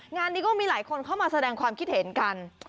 งานนี้ก็มีหลายคนเข้ามาแสดงความคิดเห็นกัน